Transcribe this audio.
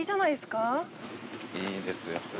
いいですよ。